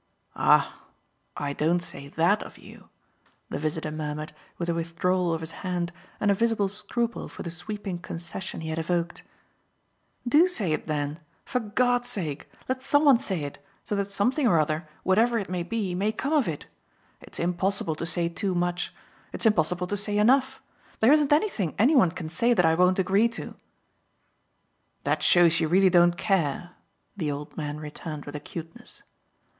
"Ah I don't say THAT of you!" the visitor murmured with a withdrawal of his hand and a visible scruple for the sweeping concession he had evoked. "Do say it then for God's sake; let some one say it, so that something or other, whatever it may be, may come of it! It's impossible to say too much it's impossible to say enough. There isn't anything any one can say that I won't agree to." "That shows you really don't care," the old man returned with acuteness.